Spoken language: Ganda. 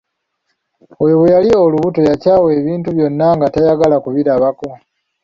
Oyo bwe yali olubuto yakyawa ebintu byonna nga tayagala kubirabako.